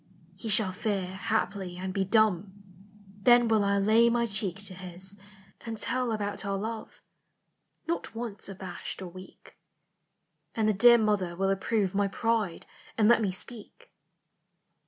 <• He shall fear, haply, and be dumb: Then will I lay my cheek To his, and tell about our love, Not once abashed or weak: And the dear Mother will approve My pride, and let me speak.